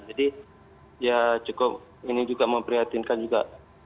jadi ya cukup ini juga memprihatinkan juga